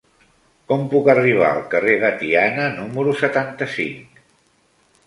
Com puc arribar al carrer de Tiana número setanta-cinc?